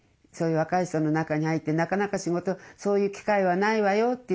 そういう若い人の中に入ってなかなかそういう機会はないわよ。